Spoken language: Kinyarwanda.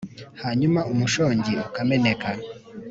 Hanyuma umushongi ukameneka